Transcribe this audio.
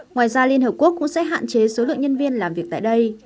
ngoài ra liên hợp quốc cũng sẽ hạn chế số lượng nhân viên làm việc tại đây